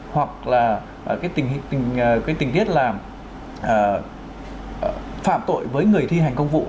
hoặc là cái tình tiết là phạm tội với người thi hành công vụ